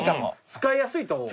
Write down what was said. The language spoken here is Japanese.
使いやすいと思う。